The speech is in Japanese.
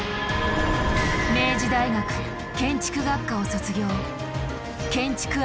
明治大学建築学科を卒業。